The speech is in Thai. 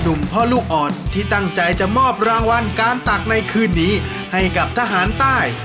พ่อลูกอ่อนที่ตั้งใจจะมอบรางวัลการตักในคืนนี้ให้กับทหารใต้